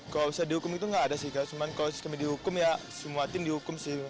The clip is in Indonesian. kalau bisa dihukum itu nggak ada sih cuman kalau kami dihukum ya semua tim dihukum sih